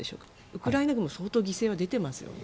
ウクライナ軍も相当、犠牲は出ていますよね。